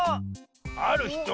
あるひと？